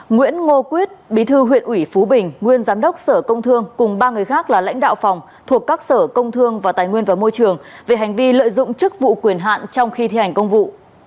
nguyễn ngô quyết bí thư huyện ủy phú bình nguyên giám đốc sở công thương cùng ba người khác là lãnh đạo phòng thuộc các sở công thương và tài nguyên và môi trường về hành vi lợi dụng chức vụ quyền hạn trong khi thi hành công vụ